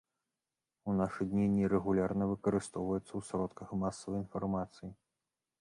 У нашы дні нерэгулярна выкарыстоўваецца ў сродках масавай інфармацыі.